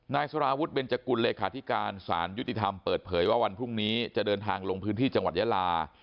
สารวุฒิเบนจกุลเลขาธิการสารยุติธรรมเปิดเผยว่าวันพรุ่งนี้จะเดินทางลงพื้นที่จังหวัดยาลา